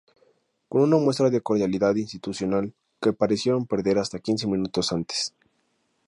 Con una muestra de cordialidad institucional que parecieron perder hasta quince minutos antes.